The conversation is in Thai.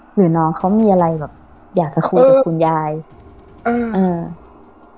หรือน้องเขามีอะไรแบบอยากจะคุยกับคุณยายอืมเออ